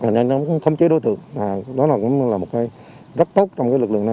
nên nó cũng không chế đối tượng đó cũng là một cái rất tốt trong lực lượng này